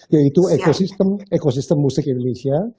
yaitu ekosistem musik indonesia